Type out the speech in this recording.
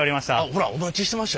ほら「お待ちしてました」